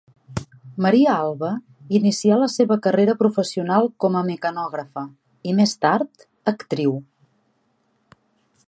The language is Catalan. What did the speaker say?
Maria Alba inicià la seva carrera professional com a mecanògrafa i, més tard, actriu.